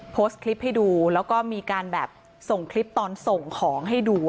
โพสต์คลิปให้ดูแล้วก็มีการแบบส่งคลิปตอนส่งของให้ดู